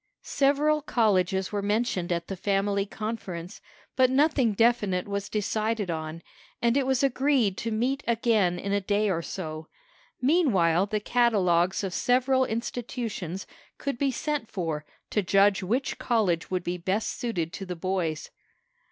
Several colleges were mentioned at the family conference, but nothing definite was decided on, and it was agreed to meet again in a day or so. Meanwhile the catalogues of several institutions could be sent for to judge which college would be best suited to the boys.